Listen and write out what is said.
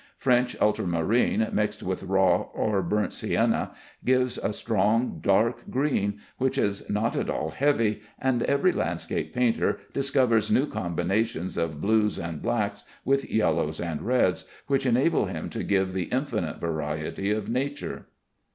French ultramarine, mixed with raw or burnt sienna, gives a strong dark green, which is not at all heavy, and every landscape painter discovers new combinations of blues and blacks with yellows and reds, which enable him to give the infinite variety of nature.